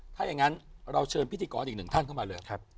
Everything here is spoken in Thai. ถ้าอย่างนั้นเราเชิญพิธีกรอีกหนึ่งท่านเข้ามาเลย